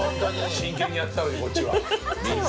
真剣にやってたのにこっちはみんな。